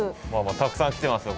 たくさん来てますよ